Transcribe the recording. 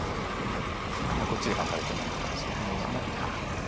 こっちで頑張る手もあるかもしれないです。